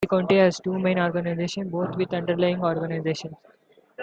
Every county has two main organisations, both with underlying organisations.